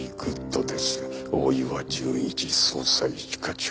大岩純一捜査一課長。